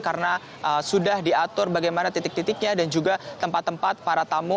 karena sudah diatur bagaimana titik titiknya dan juga tempat tempat para tamu